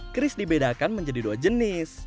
kris dibedakan menjadi dua jenis